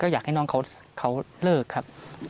อยากให้น้องเขาเลิกครับ